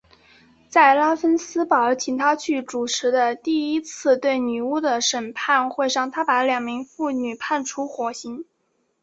在拉芬斯堡请他去主持的第一次对女巫的审判会上他把两名妇女判处火刑。